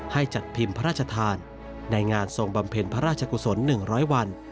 ให้จัดพิมพ์พระราชทานในงานทรงบำเพ็ญพระราชกุศลหนึ่งร้อยวัน